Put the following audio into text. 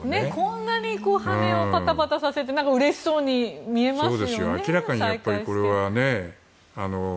こんなに羽をパタパタさせてうれしそうに見えますよね。